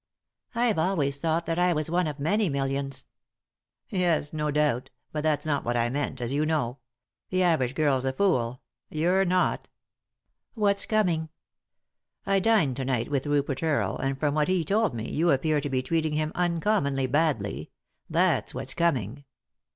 "I've always thought that I was one of many millions." "Yes; no doubt; but that's not what I meant, as you know. The average girl's a fool ; you're not." " What's coming ?"" I dined to night with Rupert Earle, and from what he told me you appear to be treating him uncommonly badly ; that's what's coming."